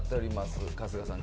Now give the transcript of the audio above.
春日さん